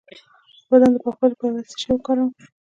د بدن د پاکوالي لپاره باید څه شی وکاروم؟